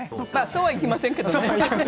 そうはいきませんけどね。